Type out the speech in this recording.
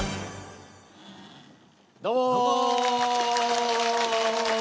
どうも。